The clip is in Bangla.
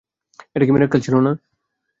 এটা কী মিরাক্কেল ছিল না।